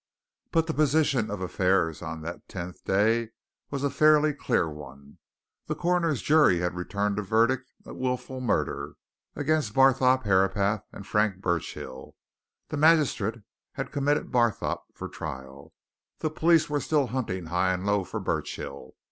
But the position of affairs on that tenth day was a fairly clear one. The coroner's jury had returned a verdict of wilful murder against Barthorpe Herapath and Frank Burchill; the magistrate had committed Barthorpe for trial; the police were still hunting high and low for Burchill.